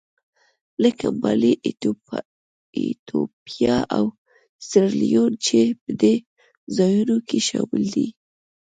لکه مالي، ایتوپیا او سیریلیون چې په دې ځایونو کې شامل دي.